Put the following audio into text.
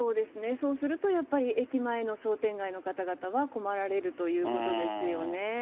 そうするとやっぱり駅前の商店街の方々は困られるということです